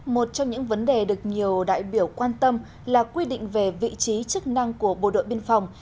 một trong những vấn đề được nhiều đại biểu quan tâm là quy định về vị trí chức năng của bộ đội biên phòng